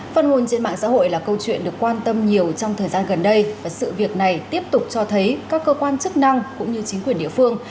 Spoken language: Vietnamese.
phát ngôn trên mạng xã hội là câu chuyện được quan tâm nhiều trong thời gian gần đây và sự việc này tiếp tục cho thấy các cơ quan chức năng cũng như chính quyền địa phương